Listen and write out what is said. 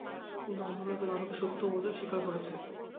কিন্তু অন্য লোকেরা আমাকে সত্য বলে স্বীকার করেছে।